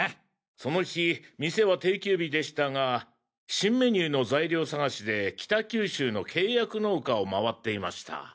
その日店は定休日でしたが新メニューの材料探しで北九州の契約農家を回っていました。